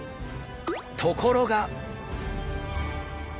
ところが！